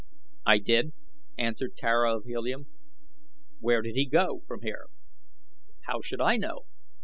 "I did," answered Tara of Helium. "Where did he go from here?" "How should I know?